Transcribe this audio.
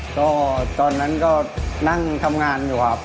ก็ตอนนั้นก็นั่งทำงานอยู่ครับ